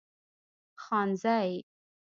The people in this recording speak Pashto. خانزۍ